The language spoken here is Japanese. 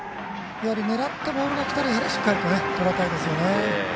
やはり狙ったボールがきたらしっかりとらえたいですね。